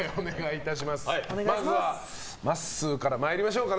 まずはまっすーから参りましょう。